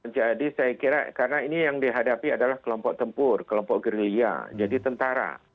saya kira karena ini yang dihadapi adalah kelompok tempur kelompok gerilya jadi tentara